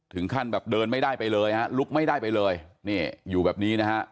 ถึงขั้นแบบเดินไม่ได้ไปเลยฮะลุกไม่ได้ไปเลยนี่อยู่แบบนี้นะฮะ